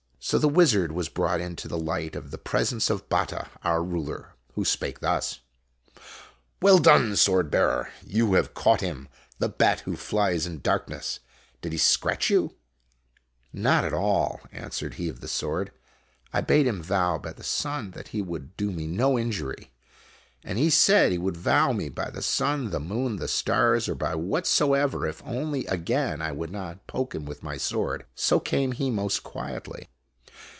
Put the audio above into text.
So the wizard was brought into the light of the presence of Batta, our ruler, who spoke thus :" Well done, Swordbearer. You have caught him, the bat who flies in darkness. Did he scratch you ?'" Not at all," answered he of the sword. " I bade him vow by the sun that he would do me no injury. And he said he would 4 IMAGINOTIONS vow me by the sun, the moon, the stars, or by whatsoever, if only again I would not poke him with my sword. So came he most quietly."